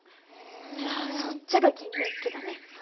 じゃあそっちが銀めっきだね。